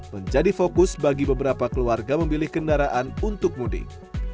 menjadi fokus bagi beberapa keluarga memilih kendaraan untuk mudik